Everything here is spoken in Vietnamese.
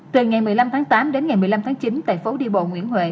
từ ngày một mươi năm tháng tám đến ngày một mươi năm tháng chín tại phố đi bộ nguyễn huệ